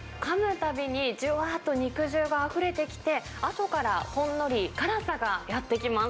たびにじゅわっと肉汁があふれてきて、あとからほんのり辛さがやって来ます。